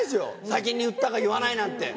先に言ったか言わないなんて。